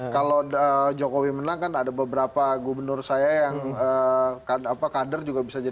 kalau jokowi menang kan ada beberapa gubernur saya yang kader juga bisa jadi